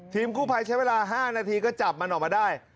กู้ภัยใช้เวลา๕นาทีก็จับมันออกมาได้